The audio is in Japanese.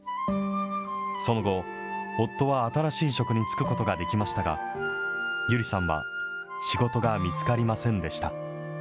その後、夫は新しい職に就くことができましたが、友梨さんは仕事が見つかりませんでした。